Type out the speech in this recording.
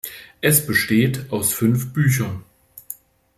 Es besteht aus fünf Büchern.